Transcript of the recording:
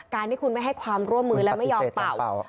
ที่คุณไม่ให้ความร่วมมือและไม่ยอมเป่า